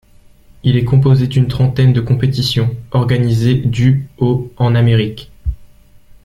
Il est composé d'une trentaine de compétitions, organisées du au en Amérique.